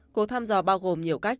cuộc thăm dò bao gồm nhiều cách